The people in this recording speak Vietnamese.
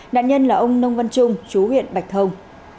nạn nhân là ông nông văn trung chú huyện bạch thông